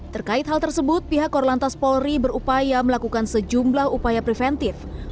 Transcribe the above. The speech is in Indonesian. terkait hal tersebut pihak korlantas polri berupaya melakukan sejumlah upaya preventif